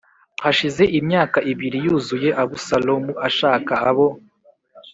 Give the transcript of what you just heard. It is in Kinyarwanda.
Hashize imyaka ibiri yuzuye Abusalomu ashaka abo